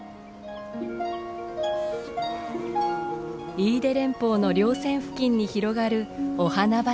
飯豊連峰の稜線付近に広がるお花畑。